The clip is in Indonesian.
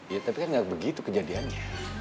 iya tapi kan gak begitu kejadiannya